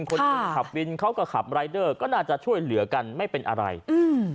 คนขับวินเขาก็ขับรายเดอร์ก็น่าจะช่วยเหลือกันไม่เป็นอะไรอืม